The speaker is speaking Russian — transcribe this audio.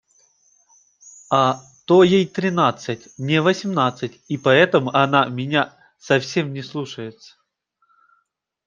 А то ей тринадцать, мне – восемнадцать, и поэтому она меня совсем не слушается.